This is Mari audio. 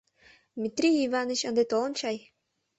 Митрий Иваныч ынде толын чай?